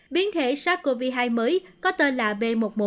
biến thể sars cov hai mới có tên là b một một năm trăm hai mươi chín